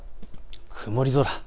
曇り空。